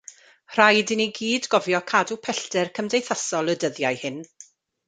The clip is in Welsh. Rhaid i ni gyd gofio cadw pellter cymdeithasol y dyddiau hyn.